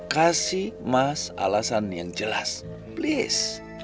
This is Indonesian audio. kasih mas alasan yang jelas please